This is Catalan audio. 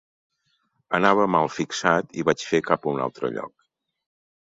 Anava malfixat i vaig fer cap a un altre lloc.